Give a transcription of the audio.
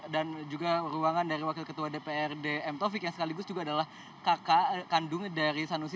dan juga ruangan dari wakil ketua dprd m tovik yang sekaligus juga adalah kakak kandung dari sanusi